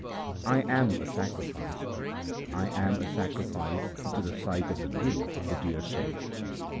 I am a sacrifice, I am a sacrifice to a sight of the Guru, the dear saint.